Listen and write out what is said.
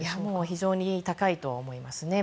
非常に高いと思いますね。